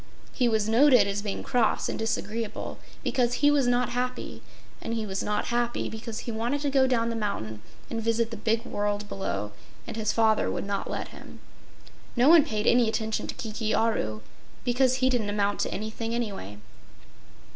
He was noted as being cross and disagreeable because he was not happy, and he was not happy because he wanted to go down the mountain and visit the big world below and his father would not let him. No one paid any attention to Kiki Aru, because he didn't amount to anything, anyway.